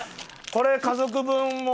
これ家族分も。